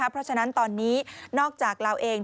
เพราะฉะนั้นตอนนี้นอกจากเราเอง